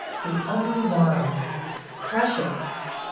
The ugly worm! Crush it!